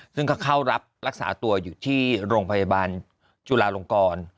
ซึ่งก็เข้ารับรักษาตัวอยู่ที่โรงพยาบาลจุลาลงกร